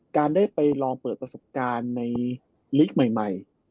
การได้ไปลองเปิดประสบการณ์ในลีกใหม่